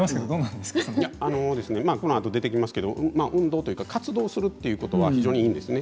このあと出てきますけど運動というか活動するということは非常にいいんですね。